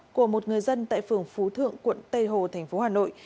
của một người dân tại phường phú thượng quận tây hồ tp hà nội